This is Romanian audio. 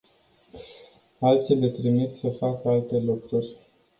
Alții le trimit să facă alte lucruri.